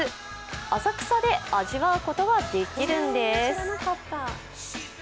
浅草で味わうことができるんです。